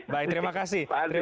baik terima kasih